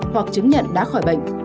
hoặc chứng nhận đã khỏi bệnh